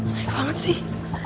aneh banget sih